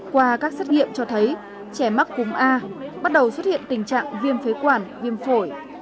qua các xét nghiệm cho thấy trẻ mắc cúm a bắt đầu xuất hiện tình trạng viêm phế quản viêm phổi